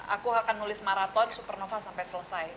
aku akan nulis maraton supernova sampai selesai